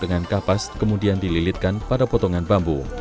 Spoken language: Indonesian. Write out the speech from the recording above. dengan kapas kemudian dililitkan pada potongan bambu